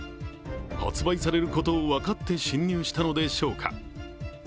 発売されることを分かって侵入したのでしょうか。